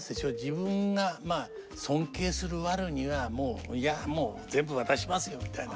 自分が尊敬するワルにはもう「いやもう全部渡しますよ」みたいな。